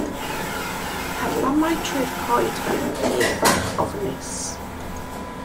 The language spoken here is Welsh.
Carlamai trwy'r coed fel hydd fach ofnus.